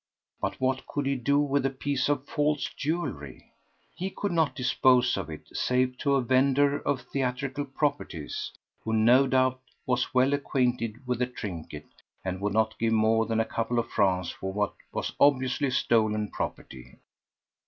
But what could he do with a piece of false jewellery? He could not dispose of it, save to a vendor of theatrical properties, who no doubt was well acquainted with the trinket and would not give more than a couple of francs for what was obviously stolen property.